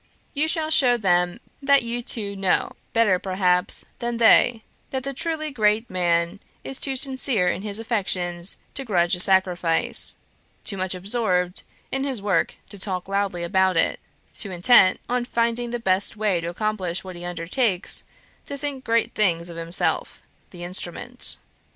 You shall show them that you too know better, perhaps, than they that the truly great man is too sincere in his affections to grudge a sacrifice; too much absorbed in his work to talk loudly about it; too intent on finding the best way to accomplish what he undertakes to think great things of himself the instrument.